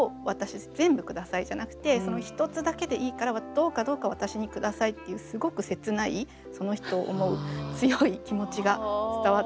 「全部ください」じゃなくて「その一つだけでいいからどうかどうかわたしにください」っていうすごく切ないその人を思う強い気持ちが伝わってくると思います。